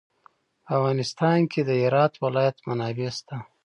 په افغانستان کې د هرات ولایت منابع شته.